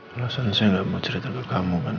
alasan saya tidak mau cerita ke kamu kan